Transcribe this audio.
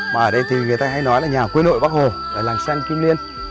và ở đây thì người ta hay nói là nhà quê nội bắc hồ ở lành xen kim liên